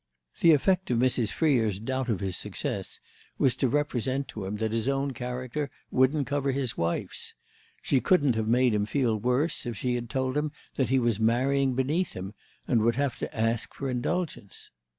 The effect of Mrs. Freer's doubt of his success was to represent to him that his own character wouldn't cover his wife's; she couldn't have made him feel worse if she had told him that he was marrying beneath him and would have to ask for indulgence.